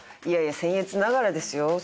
いやいや僭越ながらですよ。